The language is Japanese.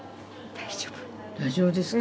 大丈夫ですか？